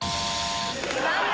残念！